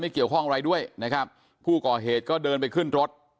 เกี่ยวข้องอะไรด้วยนะครับผู้ก่อเหตุก็เดินไปขึ้นรถ